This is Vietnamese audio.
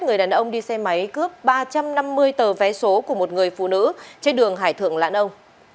người đàn ông đi xe máy cướp ba trăm năm mươi tờ vé số của một người phụ nữ trên đường hải thượng lãn ông